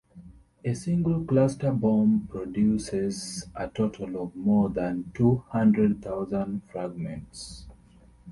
A single cluster bomb produces a total of more than two hundred thousand fragments.